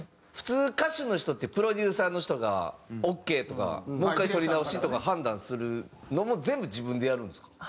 普通歌手の人ってプロデューサーの人が「オーケー」とか「もう１回とり直し」とか判断するのも全部自分でやるんですか？